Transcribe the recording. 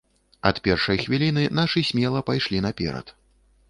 Ад першай хвіліны нашы смела пайшлі наперад.